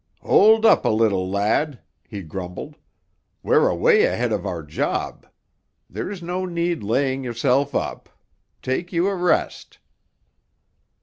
"Hold up a little, lad," he grumbled. "We're away ahead of our job. There's no need laying yourself up. Take you a rest."